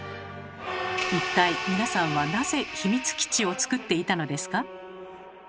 一体皆さんはなぜ秘密基地を作っていたのですか？